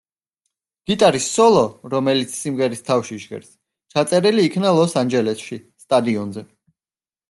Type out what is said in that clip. გიტარის სოლო, რომელიც სიმღერის თავში ჟღერს, ჩაწერილი იქნა ლოს-ანჯელესში, სტადიონზე.